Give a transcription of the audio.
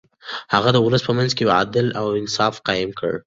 هغه د ولس په منځ کې يو عدل او انصاف قايم کړ.